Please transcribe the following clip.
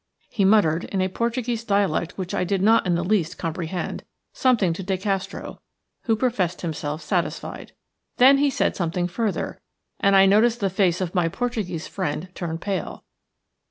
He muttered, in a Portuguese dialect which I did not in the least comprehend, something to De Castro who professed himself satisfied. Then he said something further, and I noticed the face of my Portuguese friend turn pale.